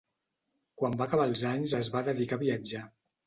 Quan va acabar els anys es va dedicar a viatjar.